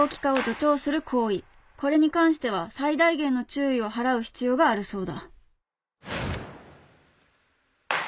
これに関しては最大限の注意を払う必要があるそうだ。